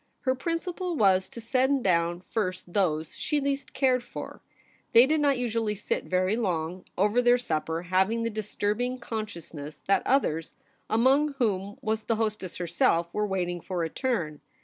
Her principle was to send down first those she least cared for ; they did not usually sit very long over their supper, having the disturbing consciousness that others, among whom was the hostess io6 THE REBEL ROSE. herself, were waiting for a turn.